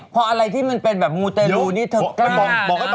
พออะไรที่มันเป็นแบบมูเตรลูนี่เธอก็มอง